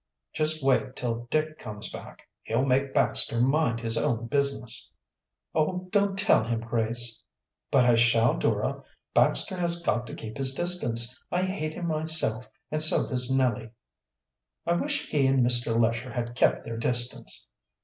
"Just wait till Dick comes back; he'll make Baxter mind his own business." "Oh, don't tell him, Grace." "But I shall, Dora. Baxter has got to keep his distance. I hate him myself, and so does Nellie." "I wish he and Mr. Lesher had kept their distance."